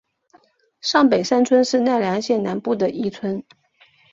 上北山村是奈良县南部的一村。